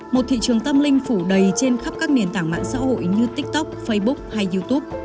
một thị trường tâm linh phủ đầy trên khắp các nền tảng mạng xã hội như tiktok facebook hay youtube